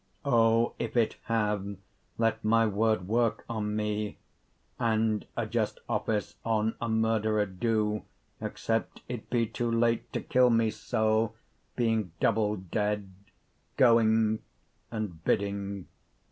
Oh, if it have, let my word worke on mee, And a just office on a murderer doe. 10 Except it be too late, to kill me so, Being double dead, going, and bidding, goe.